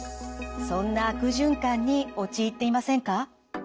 そんな悪循環に陥っていませんか？